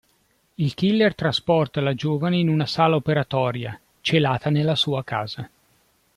Il killer trasporta la giovane in una sala operatoria, celata nella sua casa.